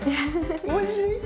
おいしい！